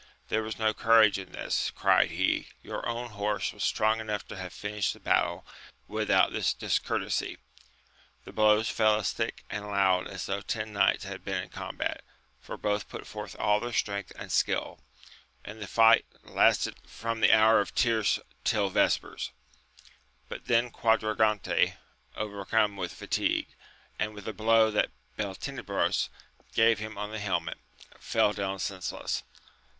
There was no courage in this ! cried he ; your own horse was strong enough to have finished the battle without this discourtesy! The blows fell as thick and loud as though ten knights had been in combat, for both put forth all their strength and skill, and the fight lasted from the hour of tierce till vespers; but then Quadragante, overcome with fatigue, and with a blow that Beltenebros gave him on the helmet, fell down senseless.